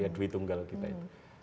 dwi tunggal kita itu